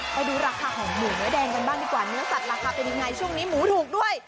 ไปดูราคาของหมูเนื้อแดงกันบ้างดีกว่าเนื้อสัตว์ราคาเป็นยังไงช่วงนี้หมูถูกด้วย